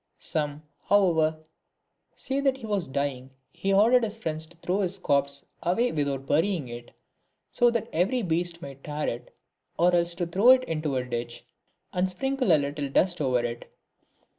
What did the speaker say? Some, however, say that when he was dying, he ordered his friends to throw his corpse away without burying it, so that every beast might tear it, or else to throw it into a ditch, and sprinkle a little dust over it.